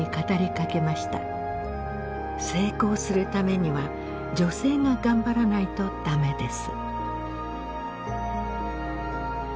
「成功するためには女性が頑張らないと駄目です」。